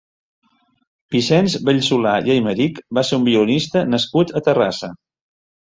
Vicenç Vellsolà i Aymerich va ser un violinista nascut a Terrassa.